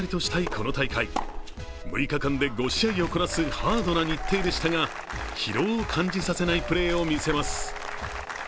この大会６日間で５試合をこなすハードな日程でしたが疲労を感じさせないプレーを見せます。